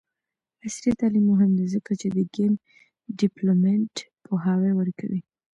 عصري تعلیم مهم دی ځکه چې د ګیم ډیولپمنټ پوهاوی ورکوي.